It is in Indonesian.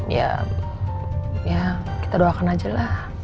ya ya kita doakan aja lah